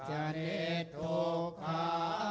จาเลทุกขา